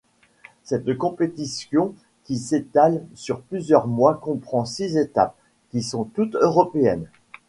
Cette compétition qui s'étale sur plusieurs mois comprend six étapes qui sont toutes européennes.